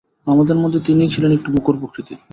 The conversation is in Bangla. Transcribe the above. আমাদের মধ্যে তিনিই ছিলেন একটু মুখর প্রকৃতির।